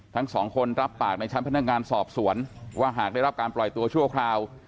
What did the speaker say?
ทั้งสองคนรับปากในชั้นพนักงานสอบสวนว่าหากได้รับการปล่อยตัวชั่วคราว